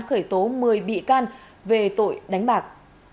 khởi tố một mươi bị can về tội đánh bạc